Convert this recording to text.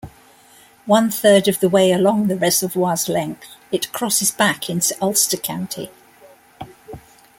One-third of the way along the reservoir's length, it crosses back into Ulster County.